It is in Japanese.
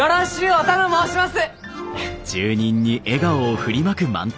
お頼申します！